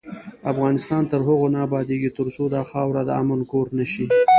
افغانستان تر هغو نه ابادیږي، ترڅو دا خاوره د امن کور نشي.